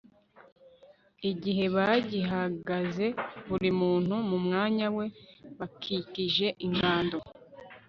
igihe bagihagaze buri muntu mu mwanya we bakikije ingando